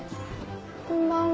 こんばんは。